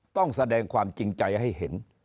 ต้องแสดงความจริงใจให้เห็น